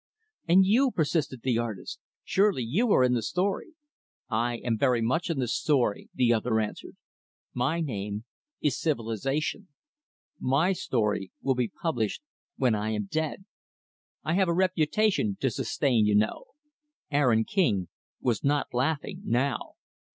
"And you" persisted the artist "surely you are in the story." "I am very much in the story," the other answered. "My name is 'Civilization.' My story will be published when I am dead. I have a reputation to sustain, you know." Aaron King was not laughing, now.